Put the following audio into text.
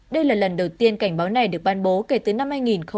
đây là lần đầu tiên cảnh báo này được ban bố kể từ năm hai nghìn một mươi